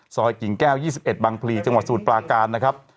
กิ่งแก้ว๒๑บังพลีจังหวัดสมุทรปลาการนะครับ